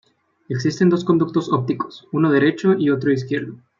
Existen dos conductos ópticos uno derecho y otro izquierdo.